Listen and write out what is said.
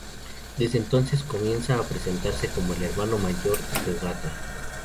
Desde entonces comienza a presentarse como el hermano mayor de Ogata.